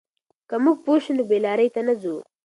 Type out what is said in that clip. که موږ پوه شو، نو بې لارۍ ته نه ځو.